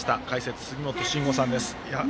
解説、杉本真吾さんです。